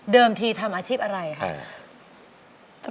ทีทำอาชีพอะไรค่ะ